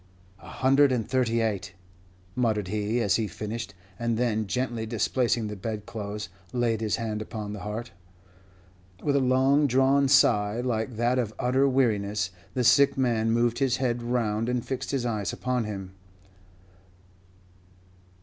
"A hundred and thirty eight," muttered he, as he finished; and then, gently displacing the bedclothes, laid his hand upon the heart. With a long drawn sigh, like that of utter weariness, the sick man moved his head round and fixed his eyes upon him.